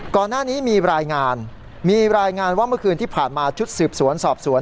ก่อนหน้านี้มีรายงานมีรายงานว่าเมื่อคืนที่ผ่านมาชุดสืบสวนสอบสวน